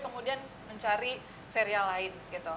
mencari serial lain